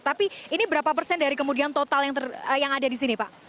tapi ini berapa persen dari kemudian total yang ada di sini pak